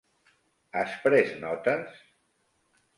Has pres notes?